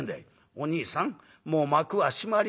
「『おにいさんもう幕は閉まりました』」。